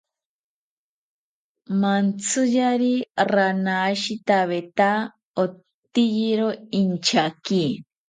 Mantziyari ranashitaweta oteyiro inchaki